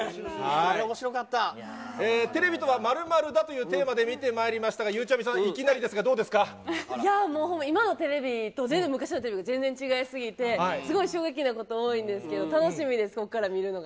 あれおもしろかテレビとは、○○だというテーマで見てまいりましたが、ゆうちゃみさん、いきなりですが、もう、今のテレビと全然、昔のテレビ全然違い過ぎて、すごい衝撃なこと多いんですけど、楽しみです、ここから見るのが。